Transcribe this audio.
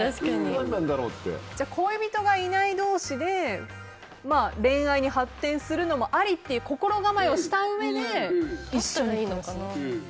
恋人がいない同士で恋愛に発展するのはありという心構えをしたうえで一緒に住むというのが。